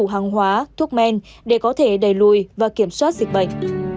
hàng hóa thuốc men để có thể đẩy lùi và kiểm soát dịch bệnh